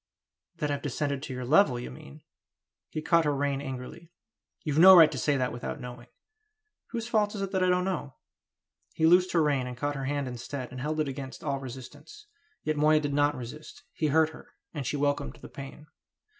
"That I've descended to your level, you mean!" He caught her rein angrily. "You've no right to say that without knowing!" "Whose fault is it that I don't know?" He loosed her rein and caught her hand instead, and held it against all resistance. Yet Moya did not resist. He hurt her, and she welcomed the pain.